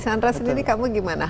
sandra sendiri kamu bagaimana